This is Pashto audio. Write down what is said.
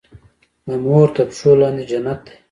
د مور تر پښو لاندي جنت دی.